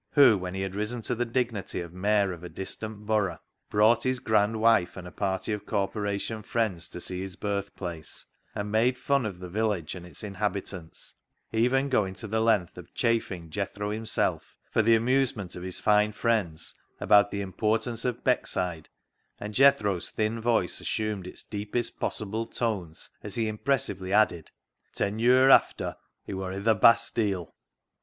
VAULTING AMBITION i5f when he had risen to the dignity of mayor of a distant borough, brought his grand wife and a party of Corporation friends to see his birth place, and made fun of the village and its inhabitants, even going to the length of chaffing Jethro himself, for the amusement of his fine friends, about the importance of Beckside, and Jethro's thin voice assumed its deepest possible tones as he impressively added, " Ten ye'r after, he wor i' th' bastile."